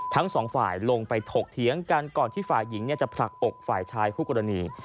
ทั้งสองฝ่ายลงไปถกเถียงกันก่อนที่ฝ่ายหญิงจะผลักอกฝ่ายชายคู่กรณี